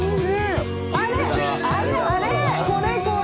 これこれ。